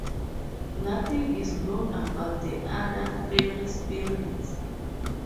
Nothing is known about the other fiery spirits.